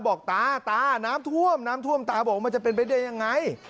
บอกตาตาน้ำท่วมน้ำท่วมตาบอกว่ามันจะเป็นไปได้ยังไง